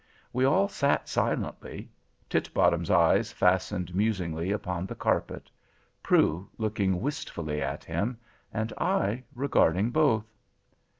We all sat silently; Titbottom's eyes fastened musingly upon the carpet: Prue looking wistfully at him, and I regarding both.